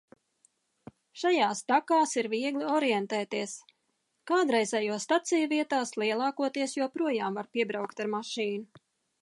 Šajās takās ir viegli orientēties, kādreizējo staciju vietās lielākoties joprojām var piebraukt ar mašīnu.